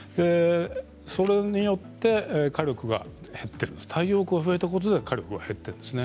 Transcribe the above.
それによって火力が太陽光が増えたことで火力が減っているんです。